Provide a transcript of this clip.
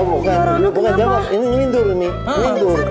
bukan jawab ini ngelindur nih